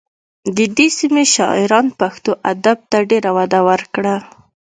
د دې سیمې شاعرانو پښتو ادب ته ډېره وده ورکړه